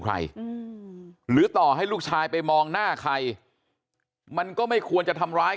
ใครหรือต่อให้ลูกชายไปมองหน้าใครมันก็ไม่ควรจะทำร้าย